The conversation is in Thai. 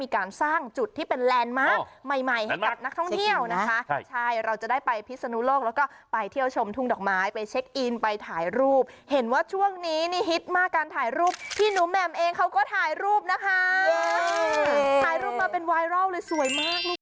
การถ่ายรูปพี่หนูแหม่มเองเขาก็ถ่ายรูปนะคะถ่ายรูปมาเป็นไวรัลเลยสวยมาก